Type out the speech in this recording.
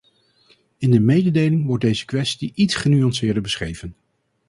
In de mededeling wordt deze kwestie iets genuanceerder beschreven.